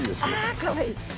あかわいい！